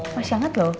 masih hangat loh